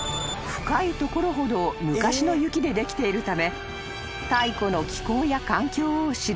［深い所ほど昔の雪でできているため］